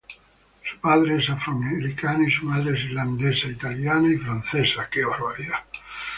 Su padre es afroamericano y su madre es irlandesa, italiana, francesa.